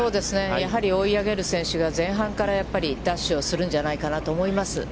やはり追い上げる選手が前半から奪取をするんじゃないかなと思います。